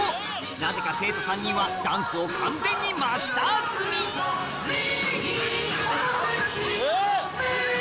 なぜか生徒３人はダンスを完全にマスター済み！えっ？